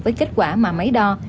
với kết quả mà máy đo